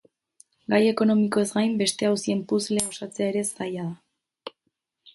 Gai ekonomikoaz gain, beste auzien puzzlea osatzea ere zaila da.